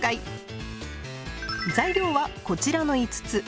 材料はこちらの５つ。